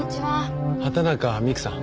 畑中美玖さん？